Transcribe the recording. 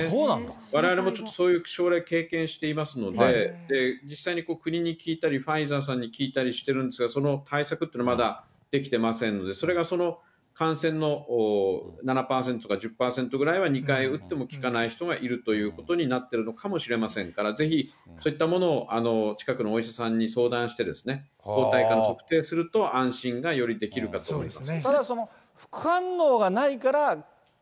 われわれもちょっとそういう症例経験していますので、実際に国に聞いたりファイザーさんに聞いたりしてるんですが、その対策というのはまだできてませんので、それがその感染の７％とか１０％ぐらいは２回打っても効かない人がいるということになってるのかもしれませんから、ぜひそういったものを、近くのお医者さんに相談して、抗体価を測定すると安心がよりできるかと思います。